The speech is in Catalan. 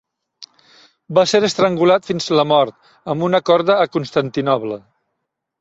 Va ser estrangulat fins la mort amb una corda a Constantinoble.